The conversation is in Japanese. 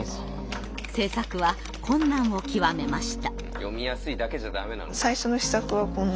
制作は困難を極めました。